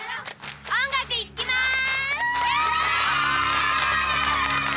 ・音楽いきまーす。